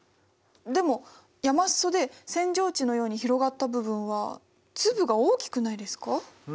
でも山裾で扇状地のように広がった部分は粒が大きくないですか？